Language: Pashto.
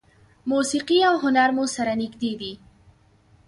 موسیقي او هنر مو سره نږدې دي.